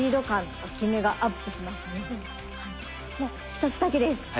もう一つだけです。